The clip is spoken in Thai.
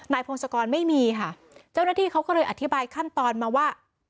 พงศกรไม่มีค่ะเจ้าหน้าที่เขาก็เลยอธิบายขั้นตอนมาว่า